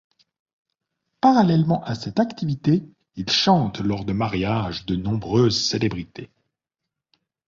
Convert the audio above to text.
Parallèlement à cette activité, il chante lors de mariages de nombreuses célébrités.